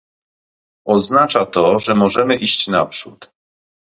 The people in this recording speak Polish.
Oznacza to, że możemy iść naprzód